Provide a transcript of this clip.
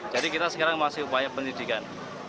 jadi kita sekarang masih upaya penyidikan